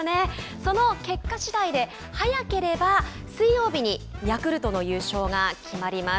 その結果しだいで早ければ水曜日にヤクルトの優勝が決まります。